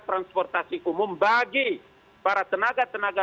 transportasi umum bagi para tenaga tenaga